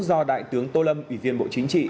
do đại tướng tô lâm ủy viên bộ chính trị